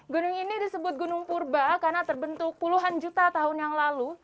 gunung ini disebut gunung purba karena terbentuk puluhan juta tahun yang lalu